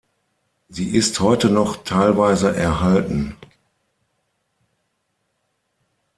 Sie ist heute noch teilweise erhalten.